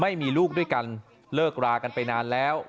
ไม่มีลูกด้วยกันเลิกรากันไปนานแล้ว